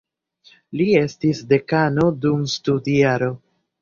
Li estis dekano dum studjaro.